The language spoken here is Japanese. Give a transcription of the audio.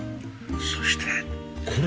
そしてこれ！